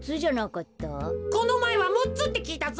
このまえはむっつってきいたぞ。